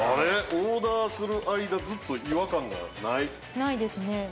オーダーする間ずっと違和感がないないですね